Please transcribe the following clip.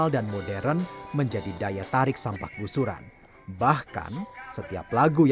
tanpa mengurangi sisi keagamaan sampah kgusuran seakan menjadi magnet bagi kita